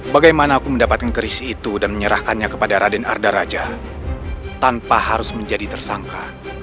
bagaimana aku mendapatkan keris itu dan menyerahkannya kepada raden arda raja tanpa harus menjadi tersangka